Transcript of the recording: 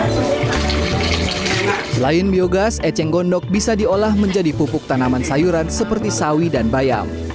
selain biogas eceng gondok bisa diolah menjadi pupuk tanaman sayuran seperti sawi dan bayam